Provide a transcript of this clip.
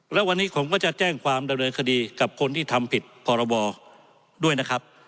แล้ววันนี้ผมก็จะแจ้งความดำเนินคดีกับคนที่ทำผิดพรบด้วยนะครับ